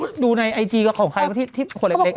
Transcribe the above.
หู้ดูในไอจีกับของใครที่ขวดเล็กอ่ะ